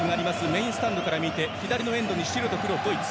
メインスタンドから見て左のエンドに白と黒のドイツ。